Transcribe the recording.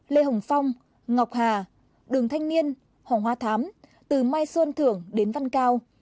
lê hồng phong ngọc hà đường thanh niên hồng hoa thám từ mai xuân thường đến văn cao